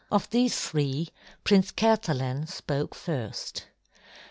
Of these three, Prince Kathalan spoke first.